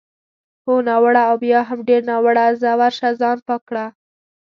هو، ناوړه او بیا هم ډېر ناوړه، ځه ورشه ځان پاک کړه.